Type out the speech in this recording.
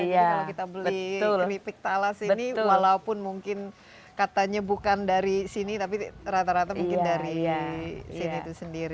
jadi kalau kita beli ini piktalas ini walaupun mungkin katanya bukan dari sini tapi rata rata mungkin dari sini itu sendiri